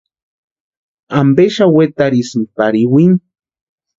¿Ampe xani wetarhisïnki pari iwini?